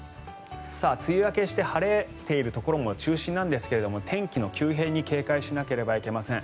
梅雨明けして晴れているところが中心なんですが天気の急変に警戒しなければいけません。